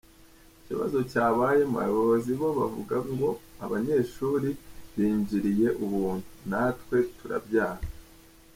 Ikibazo cyabayemo, abayobozi bo bavugaga ngo abanyeshuri binjirire ubuntu, natwe turabyanga.